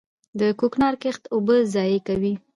د کوکنارو کښت اوبه ضایع کوي.